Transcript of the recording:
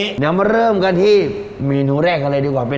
เดี๋ยวมาเริ่มกันที่เมนูแรกกันเลยดีกว่า